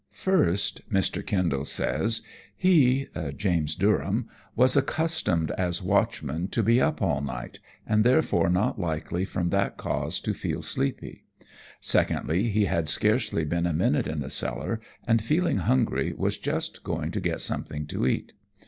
"First," Mr. Kendall says, "he (James Durham) was accustomed as watchman to be up all night, and therefore not likely from that cause to feel sleepy. Secondly, he had scarcely been a minute in the cellar, and, feeling hungry, was just going to get something to eat.